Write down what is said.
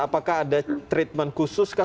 apakah ada treatment khusus kah